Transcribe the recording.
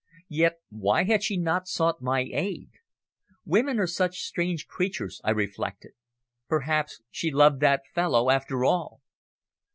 Yet, why had she not sought my aid? Women are such strange creatures, I reflected. Perhaps she loved that fellow after all!